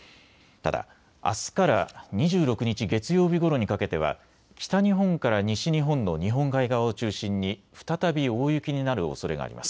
ただ、あすから２６日月曜日ごろにかけては北日本から西日本の日本海側を中心に再び大雪になるおそれがあります。